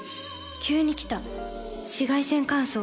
急に来た紫外線乾燥。